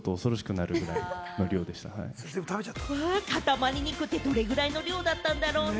塊肉ってどれぐらいの量だったんだろうね？